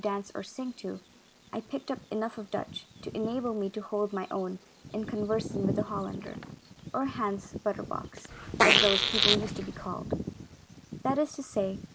dance or sing to, I picked up enough of Dutch to enable me to hold my own in con versing with a Hollander, or Hans Butter box, as those people used to be called ; that is to say.